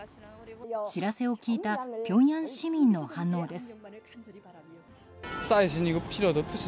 知らせを聞いたピョンヤン市民の反応です。